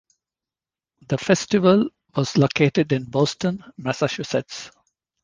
The festival was located in Boston, Massachusetts.